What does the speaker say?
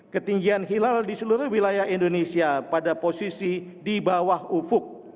ketinggian hilal di seluruh wilayah indonesia pada posisi di bawah ufuk